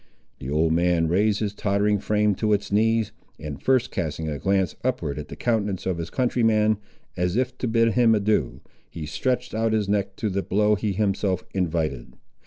The old man raised his tottering frame to its knees, and first casting a glance upward at the countenance of his countryman, as if to bid him adieu, he stretched out his neck to the blow he himself invited.